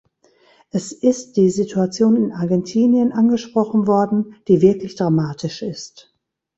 Es ist die Situation in Argentinien angesprochen worden, die wirklich dramatisch ist.